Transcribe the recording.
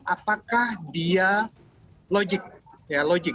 apakah dia logik